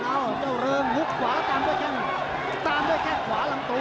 เอาเจ้าเริงลุกขวาตามด้วยแข้งขวาหลังตัว